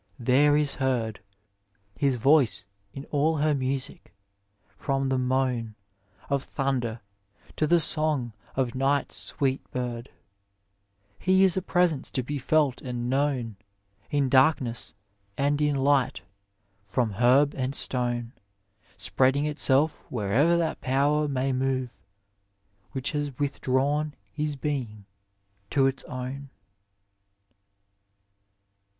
there is heard HiB voioe in all her miudo, from the moan i Of thunder, to the song of ni^t's sweet bird ; I He is a presenoe to be felt and known I In darknww and in light, from herb and stone, I Spreading itself where'er that Power may more Which has withdrawn his being to its own.